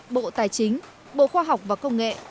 bộ tài chính bộ khoa học và công nghệ